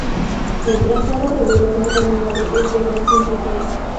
El trazado regulador de la nave es de gran simplicidad.